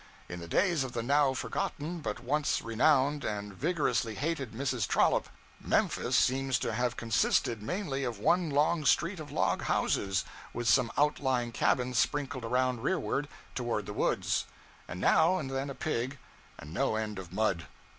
In the days of the now forgotten but once renowned and vigorously hated Mrs. Trollope, Memphis seems to have consisted mainly of one long street of log houses, with some outlying cabins sprinkled around rearward toward the woods; and now and then a pig, and no end of mud.